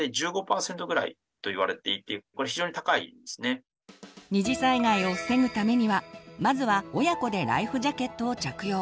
特にやっぱり二次災害を防ぐためにはまずは親子でライフジャケットを着用。